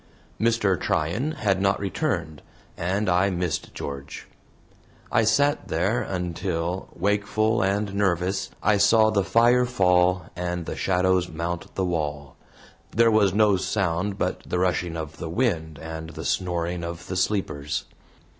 Mr. Tryan had not returned, and I missed George. I sat there until, wakeful and nervous, I saw the fire fall and shadows mount the wall. There was no sound but the rushing of the wind and the snoring of the sleepers.